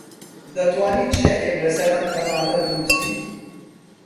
دەتوانیت شیعرێک لەسەر تەماتە بنووسیت؟